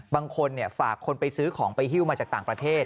บางคนฝากคนไปซื้อของไปฮิ้วมาจากต่างประเทศ